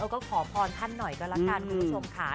ก็ขอพรท่านหน่อยก็แล้วกันคุณผู้ชมค่ะ